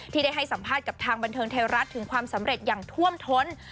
ที่ได้ให้สัมภาษณ์กับทางบันเทิงไทยรัฐถึงความสำเร็จอย่างท่วมท้น